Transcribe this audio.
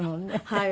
はい。